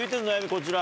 こちら。